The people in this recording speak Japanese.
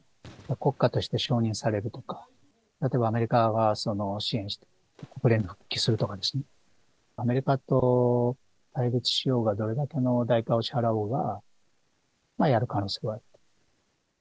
国家として承認されるとか、例えばアメリカが支援をして、国連に復帰するとかですね、アメリカと対立しようが、どれだけの代価を支払おうが、やる可能性はあると思う。